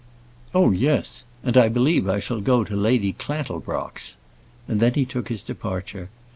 "Oh, yes; and I believe I shall go to Lady Clantelbrocks." And then he took his departure.